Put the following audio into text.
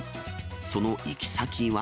その行き先は。